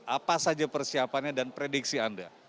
apa saja persiapannya dan prediksi anda